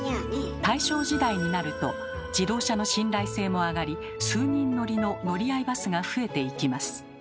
大正時代になると自動車の信頼性も上がり数人乗りの乗合バスが増えていきます。